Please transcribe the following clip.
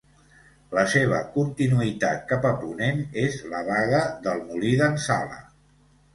La seva continuïtat cap a ponent és la Baga del Molí d'en Sala.